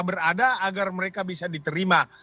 berada agar mereka bisa diterima